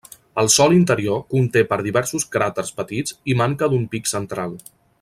El sòl interior conté per diversos cràters petits, i manca d'un pic central.